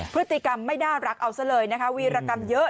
พฤติกรรมไม่น่ารักเอาซะเลยนะคะวีรกรรมเยอะ